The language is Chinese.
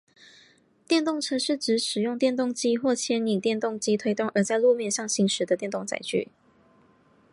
电动车是指使用电动机或牵引电动机推动而在路面上行驶的电动载具。